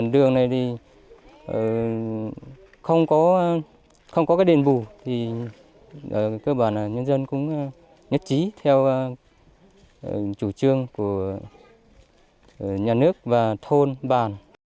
đường này không có đền bù cơ bản là nhân dân cũng nhất trí theo chủ trương của nhà nước và thôn bàn